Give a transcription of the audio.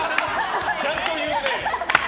ちゃんと言うね！